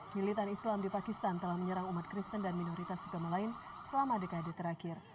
gilitan islam di pakistan telah menyerang umat kristen dan minoritas agama lain selama dekade terakhir